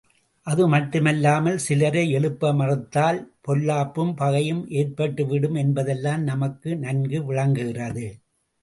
அது மட்டுமல்லாமல், சிலரை எழுப்ப மறுத்தால் பொல்லாப்பும் பகையும் ஏற்பட்டுவிடும என்பதெல்லாம் நமக்கு நன்கு விளங்குகிறது.